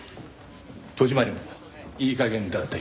戸締まりもいい加減だったようで。